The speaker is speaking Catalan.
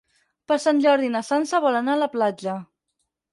Per Sant Jordi na Sança vol anar a la platja.